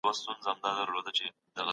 سپين ږيري د کلي برکت دي.